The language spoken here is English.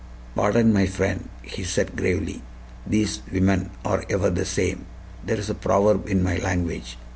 "Pardon, my friend," he said gravely; "thees women are ever the same. There is a proverb in my language.